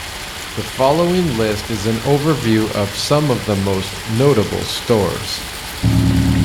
The following list is an overview of some of the most notable stores.